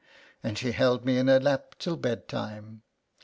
and she held me in her lap till bed time.